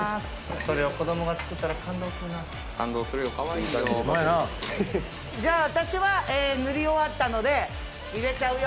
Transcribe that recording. それを子供が作ったら感動するな感動するよかわいいよホンマやなじゃあ私は塗り終わったので入れちゃうよ